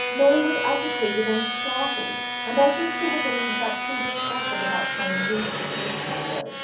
May was agitated and startled, and I think she had believed that foolish gossip about my engagement to Miss Hadlow.